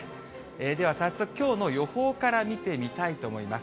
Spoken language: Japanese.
では早速きょうの予報から見てみたいと思います。